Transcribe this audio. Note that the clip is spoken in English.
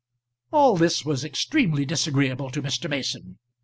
All this was extremely disagreeable to Mr. Mason.